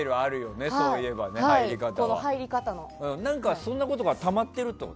そんなことがたまってるってこと？